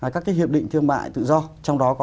các hiệp định thương mại tự do trong đó có